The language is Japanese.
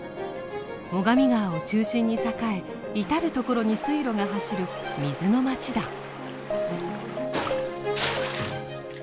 最上川を中心に栄え至る所に水路が走る水の町だ。